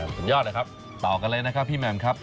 สุดยอดเลยครับต่อกันเลยนะครับพี่แหม่มครับ